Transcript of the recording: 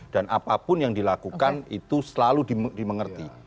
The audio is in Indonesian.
apapun yang dilakukan itu selalu dimengerti